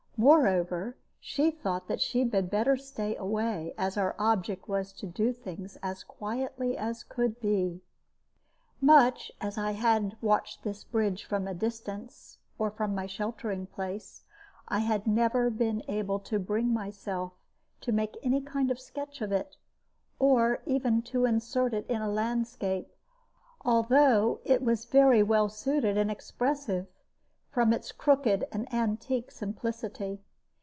Moreover, she thought that she had better stay away, as our object was to do things as quietly as could be. Much as I had watched this bridge from a distance, or from my sheltering place, I had never been able to bring myself to make any kind of sketch of it, or even to insert it in a landscape, although it was very well suited and expressive, from its crooked and antique simplicity.